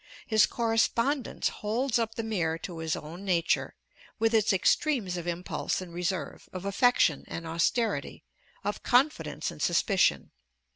His correspondence holds up the mirror to his own nature, with its extremes of impulse and reserve, of affection and austerity, of confidence and suspicion.